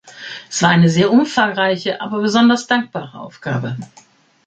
Es war eine sehr umfangreiche, aber besonders dankbare Aufgabe.